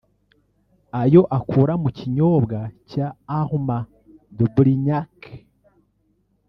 ayo akura mu kinyobwa cya Armand de Brignac